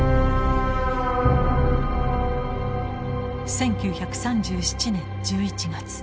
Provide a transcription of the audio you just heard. １９３７年１１月。